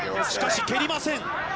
しかし、蹴りません。